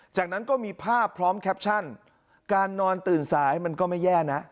จากนั้นก็มีภาพพร้อมแคปชั่นการนอนตื่นสายมันก็ไม่แย่นะ